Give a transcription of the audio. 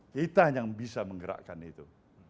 kita yang bisa menggerakkan itu